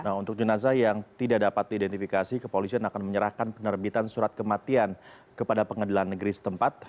nah untuk jenazah yang tidak dapat diidentifikasi kepolisian akan menyerahkan penerbitan surat kematian kepada pengadilan negeri setempat